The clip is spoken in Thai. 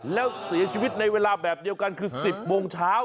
แล้วเสียชีวิตในเวลาแบบเดียวกันคือ๑๐โมงเช้า